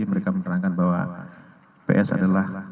mereka menerangkan bahwa ps adalah